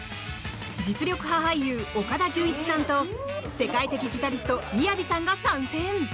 実力派俳優・岡田准一さんと世界的ギタリストＭＩＹＡＶＩさんが参戦。